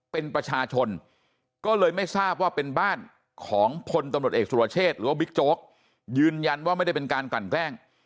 เป็นประชาชนก็เลยไม่ทราบว่าเป็นบ้านของพลตำรวจเอกสุรเชษหรือว่าบิ๊กโจ๊กยืนยันว่าไม่ได้เป็นการกลั่นแกล้ง